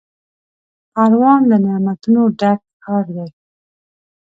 پروان له نعمتونو ډک ښار دی.